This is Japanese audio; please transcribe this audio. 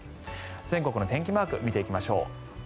全国の天気マークを見ていきましょう。